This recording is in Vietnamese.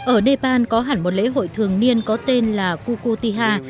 ở nepal có hẳn một lễ hội thường niên có tên là kukutiha